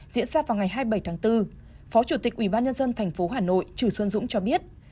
diễn ra vào ngày hai mươi bảy tháng bốn phó chủ tịch ubnd tp hà nội trừ xuân dũng cho biết